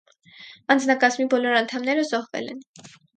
Անձնակազմի բոլոր անդամները զոհվել են։